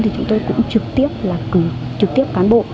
thì chúng tôi cũng trực tiếp là cử trực tiếp cán bộ